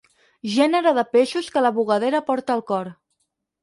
Gènere de peixos que la bugadera porta al cor.